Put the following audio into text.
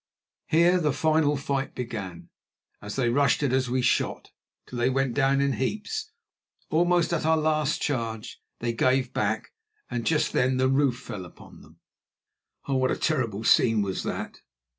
Here the final fight began. As they rushed at us we shot, till they went down in heaps. Almost at our last charge they gave back, and just then the roof fell upon them. Oh, what a terrible scene was that!